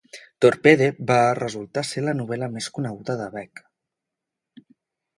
"Torpede" va resultar ser la novel.la més coneguda de Beach.